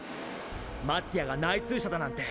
マッティアが内通者だなんて！